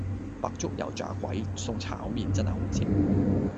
白粥油炸鬼送炒麵真係好正